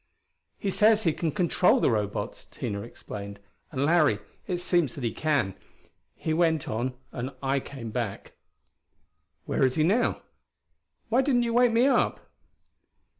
"He says he can control the Robots," Tina explained, "and Larry, it seems that he can. He went on and I came back." "Where is he now? Why didn't you wake me up?"